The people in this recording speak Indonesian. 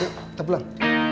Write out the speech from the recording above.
yuk kita pulang